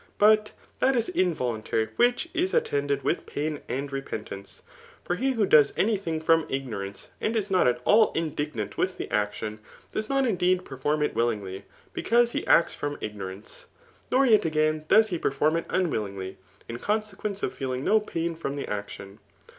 But that is involuntary which is at^ tended with pain and repentance. For he who does any thing from ignorance, and is not at all indignant with the action, does not indeed perform it willingly, because he acts from ignorance ; nor yet again, does he perform it unwillingly, in consequence of feeling no pain from the action.